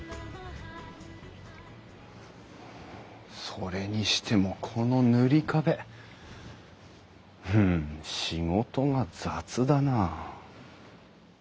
それにしてもこの塗り壁ふん仕事が雑だな。